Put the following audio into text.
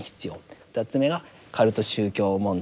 ２つ目がカルト宗教問題。